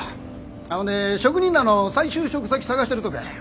あっほんで職人らの再就職先探してるとこや。